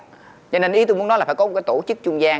cho nên ý tôi muốn nói là phải có một cái tổ chức trung gian